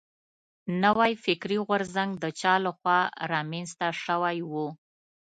نوی فکري غورځنګ د چا له خوا را منځ ته شوی و.